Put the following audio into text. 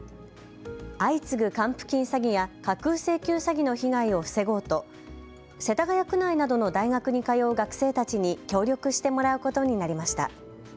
相次ぐ還付金詐欺や架空請求詐欺の被害を防ごうと世田谷区内などの大学に通う学生たちに協力してもらうことになりました。